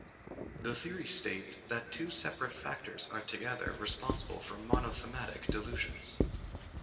The theory states that two separate factors are together responsible for monothematic delusions.